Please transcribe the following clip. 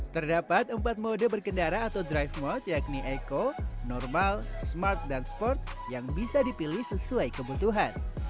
terdapat empat mode berkendara atau drive mode yakni eko normal smart dan sport yang bisa dipilih sesuai kebutuhan